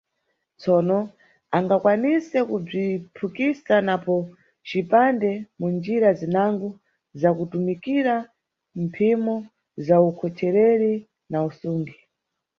Tsono, angakwanise kubziphukisa napo mcipande, mu njira zinango zakutumikira mphimo za ukhochereri na usungi.